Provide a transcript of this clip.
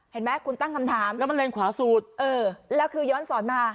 เห็นไหมคุณตั้งคำถามแล้วมันเลนขวาสุดเออแล้วคือย้อนสอนมา